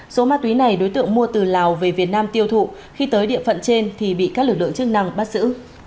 số ma túy này đối tượng mua từ lào về việt nam tiêu thụ khi tới địa phận trên thì bị các lực lượng chức năng bắt giữ